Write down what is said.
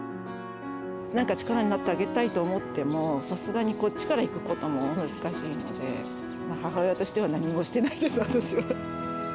なんか力になってあげたいと思っても、さすがにこっちから行くことも難しいので、母親としては何もしてないです、私は。